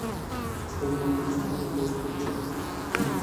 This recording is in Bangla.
তাঁরা লম্বা লাইন পেরিয়ে, পুলিশের পরীক্ষা-নিরীক্ষার মধ্য দিয়ে এখানে এসে পৌঁছেছেন।